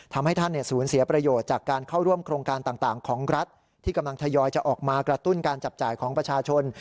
ทำให้ท่านสูญเสียประโยชน์จากการเข้าร่วมโครงการต่างของรัฐที่กำลังทยอยจะออกมากระตุ้นการจับจ่ายของประชาชน